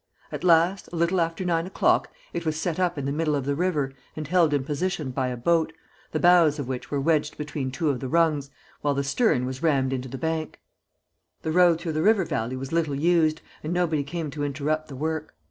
At last, a little after nine o'clock, it was set up in the middle of the river and held in position by a boat, the bows of which were wedged between two of the rungs, while the stern was rammed into the bank. The road through the river valley was little used, and nobody came to interrupt the work.